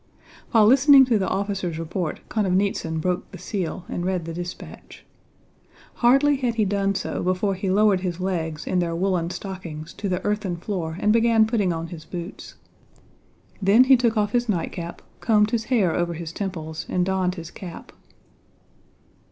While listening to the officer's report Konovnítsyn broke the seal and read the dispatch. Hardly had he done so before he lowered his legs in their woolen stockings to the earthen floor and began putting on his boots. Then he took off his nightcap, combed his hair over his temples, and donned his cap.